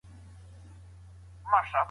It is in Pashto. د ارغنداب سیند له کبله د غنمو کښت ښه کېږي.